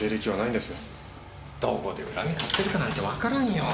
どこで恨み買ってるかなんてわからんよ。